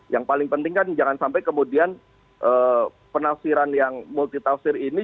yang paling penting kan jangan sampai kemudian penafsiran yang multi tafsir ini